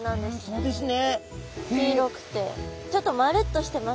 そうですね。